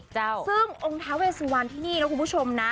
ซึ่งองค์ท้าเวสุวรรณที่นี่นะคุณผู้ชมนะ